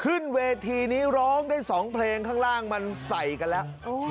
ขึ้นเวทีนี้ร้องได้๒เพลงข้างล่างมันใส่กันแล้ว